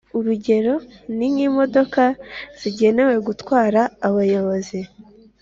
Urugero ni nk imodoka zigenewe gutwara abayobozi